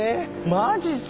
マジっすか！？